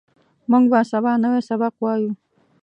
موږ به سبا نوی سبق وایو